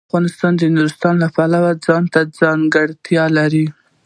افغانستان د نورستان د پلوه ځانته ځانګړتیا لري.